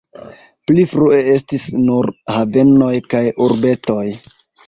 Pli frue estis nur havenoj kaj urbetoj.